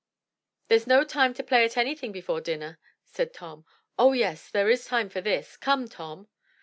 "There's no time to play at anything before dinner," said Tom. "Oh, yes, there is time for this; come, Tom."